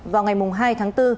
vào ngày hai tháng bốn